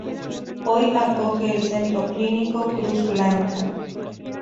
Hoy acoge el Centro Clínico Cruz Blanca.